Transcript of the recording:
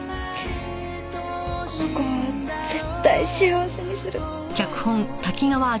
この子を絶対幸せにする。